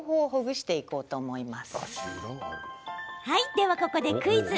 では、ここでクイズ。